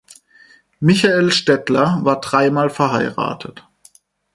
Michael Stettler war dreimal verheiratet.